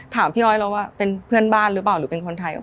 ถามพี่โอ้ยเราว่าเป็นเพื่อนบ้านหรือเป็นคนไทย